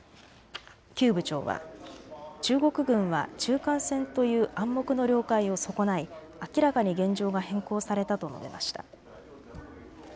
邱部長は中国軍は中間線という暗黙の了解を損ない明らかに現状が変更されたと述べました。